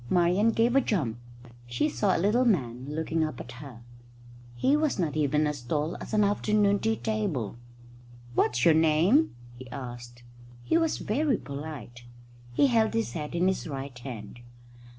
Marian gave a jump. She saw a little man looking up at her. He was not even as tall as an afternoon tea table. "What's your name?" he asked. He was very polite. He held his hat in his right hand.